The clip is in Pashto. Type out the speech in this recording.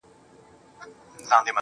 تر حق وړاندې یوه طبیعې